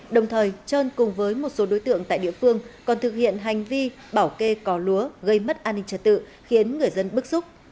đồng thời trơn cùng với một số đối tượng tại địa phương còn thực hiện hành vi bảo kê có lúa gây mất an ninh trật tự khiến người dân bức xúc